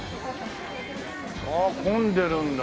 あ混んでるんだ。